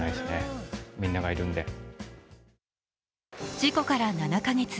事故から７か月。